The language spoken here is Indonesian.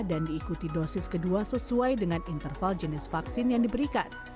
dan diikuti dosis kedua sesuai dengan interval jenis vaksin yang diberikan